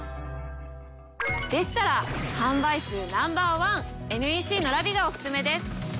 でしたら販売数Ｎｏ．１ＮＥＣのＬＡＶＩＥがお薦めです！